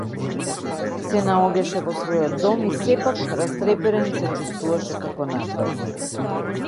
Се наоѓаше во својот дом и сепак, растреперен, се чувствуваше како натрапник.